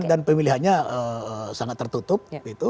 dan pemilihannya sangat tertutup